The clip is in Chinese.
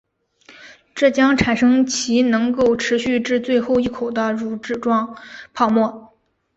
这将产生其能够持续至最后一口的乳脂状泡沫。